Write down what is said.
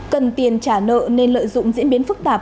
cần tiền trả nợ nên lợi dụng diễn biến phức tạp